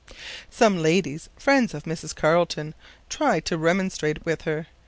Some ladies, friends of Mrs. Carleton, tried to remonstrate with her.